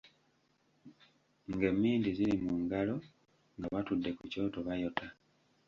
Ng'emmindi ziri mu ngalo, nga batudde ku kyoto bayota.